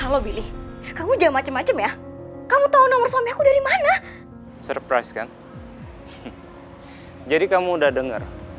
kalau aku gak segera kasih dia uang